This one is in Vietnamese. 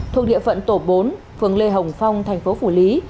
thuộc địa phận tổ bốn phường lê hồng phong tp phủ lý